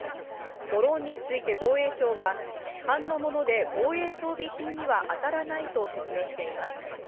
ドローンについて防衛省は、市販のもので防衛装備品には当たらないと説明しています。